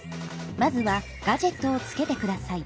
まずはガジェットをつけてください。